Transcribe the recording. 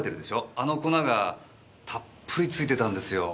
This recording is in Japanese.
あの粉がたっぷり付いてたんですよ。